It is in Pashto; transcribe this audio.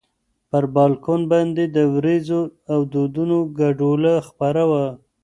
پر بالکن باندې د ورېځو او دودونو ګډوله خپره وه.